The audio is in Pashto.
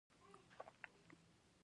د څارنې موخه او فعالیتونه: